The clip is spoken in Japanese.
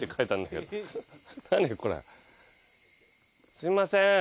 すいません。